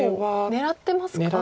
狙ってます。